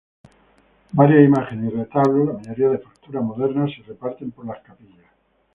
Varias imágenes y retablos, la mayoría de factura moderna, se reparten por las capillas.